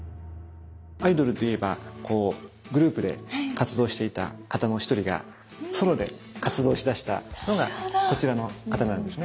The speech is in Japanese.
アイドルでいえばグループで活動していた方の一人がソロで活動しだしたのがこちらの方なんですね。